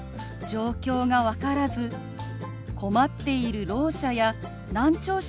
状況が分からず困っているろう者や難聴者がいる場合